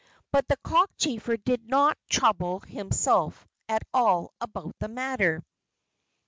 But the cockchafer did not trouble himself at all about the matter.